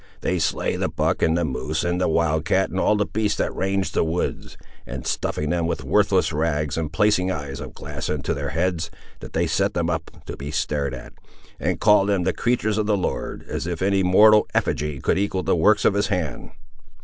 "They slay the buck, and the moose, and the wild cat, and all the beasts that range the woods, and stuffing them with worthless rags, and placing eyes of glass into their heads, they set them up to be stared at, and call them the creatur's of the Lord; as if any mortal effigy could equal the works of his hand!"